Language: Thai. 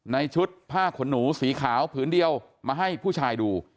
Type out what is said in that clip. ในชุดผ้าขนหนูสีขาวผืนเดียวมาให้ผู้ชายดู